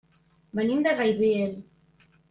Venim de Gaibiel.